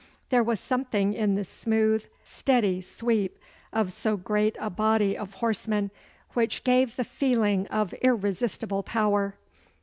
There was something in the smooth, steady sweep of so great a body of horsemen which gave the feeling of irresistible power.